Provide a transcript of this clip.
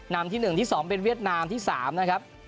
ที่๑ที่๒เป็นเวียดนามที่๓นะครับ